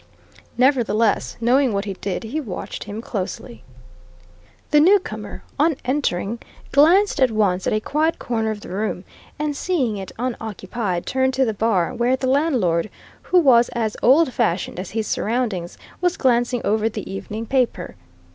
Nevertheless, knowing what he did, he watched him closely. The newcomer, on entering, glanced at once at a quiet corner of the room, and seeing it unoccupied, turned to the bar, where the landlord, who was as old fashioned as his surroundings, was glancing over the evening paper.